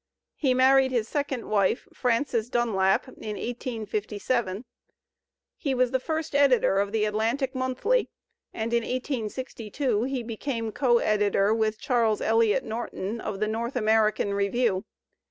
He married his second wife, Frances Dunlap, in 1857. He was the first editor of the Atlantic Monthly and in 1862 he became co editor with Charles Eliot Norton of the North American Review.